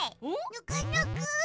ぬくぬく！